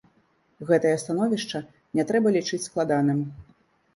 Гэтае становішча не трэба лічыць складаным.